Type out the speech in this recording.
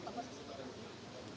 sekarang pak pak sesi